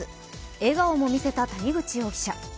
笑顔も見せた谷口容疑者。